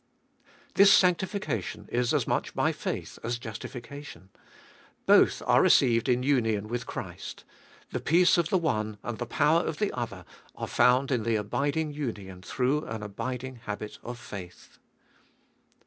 1. This sanctification is as much by faith as Justification. Both are received in union with Christ: the peace of the one and the power of the other are found in the abiding union through an abiding habit of faith.